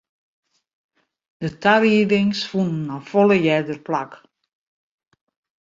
De tariedings fûnen al folle earder plak.